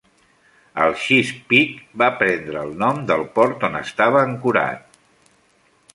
El Chesapeake va prendre el nom del port on estava ancorat.